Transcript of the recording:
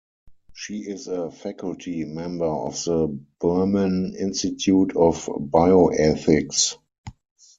She is a faculty member of the Berman Institute of Bioethics.